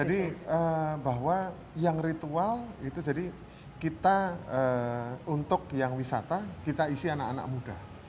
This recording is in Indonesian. jadi bahwa yang ritual itu jadi kita untuk yang wisata kita isi anak anak muda